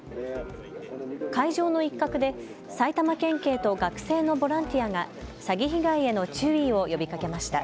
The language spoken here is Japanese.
会場の一角で埼玉県警と学生のボランティアが詐欺被害への注意を呼びかけました。